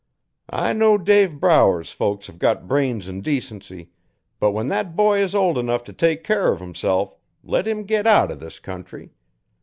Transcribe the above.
'I know Dave Brower's folks hev got brains an' decency, but when thet boy is old enough t' take care uv himself, let him git out o' this country.